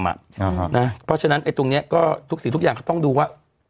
เพราะฉะนั้นตรงนี้ก็ทุกสิ่งทุกอย่างก็ต้องดูว่า